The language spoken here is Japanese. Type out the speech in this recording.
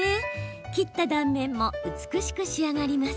切った断面も美しく仕上がります。